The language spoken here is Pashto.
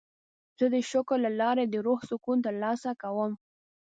زه د شکر له لارې د روح سکون ترلاسه کوم.